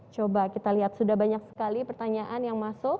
coba kita lihat sudah banyak sekali pertanyaan yang masuk